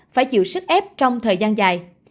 phải chịu sức ép trong thời gian dài